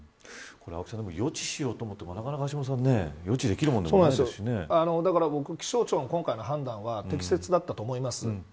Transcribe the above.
予知しようと思ってもなかなか予知できるものでもだから僕、気象庁の今回の判断は適切だったと思います。